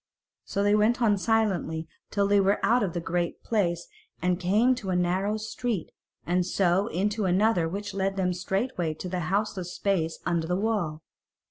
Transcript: So they went on silently till they were out of the Great Place and came into a narrow street, and so into another which led them straight into the houseless space under the wall.